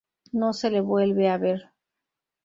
No se le vuelve a ver.